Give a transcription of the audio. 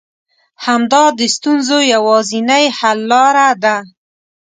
همدا د ستونزو يوازنۍ حل لاره ده.